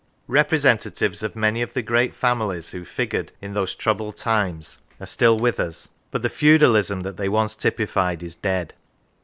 Representatives of many of the great families who figured in those troubled times are still with us; but the feudalism that they once typified is dead.